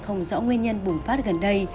không rõ nguyên nhân bùng phát gần đây